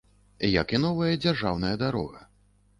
Як і новая дзяржаўная дарога.